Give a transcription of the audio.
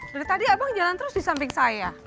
dari tadi abang jalan terus di samping saya